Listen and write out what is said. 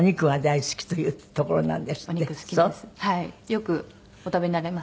よくお食べになられますか？